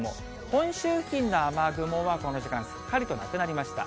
本州付近の雨雲は、この時間、すっかりとなくなりました。